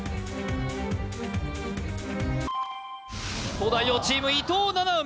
東大王チーム伊藤七海